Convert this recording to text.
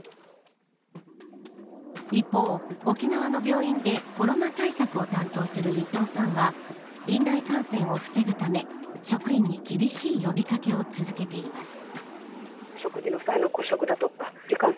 一方、沖縄の病院でコロナ対策を担当する伊藤さんは院内感染を防ぐため職員に厳しい呼び掛けを続けています。